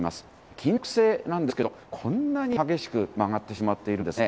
金属製なんですけど、こんなに激しく曲がってしまっているんですね。